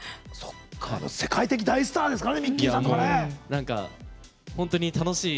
世界的大スターですからね。